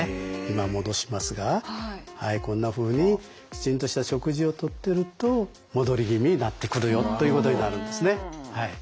今戻しますがはいこんなふうにきちんとした食事をとってると戻り気味になってくるよということになるんですね。